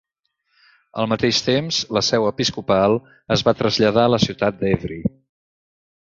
Al mateix temps, la seu episcopal es va traslladar a la ciutat d'Évry.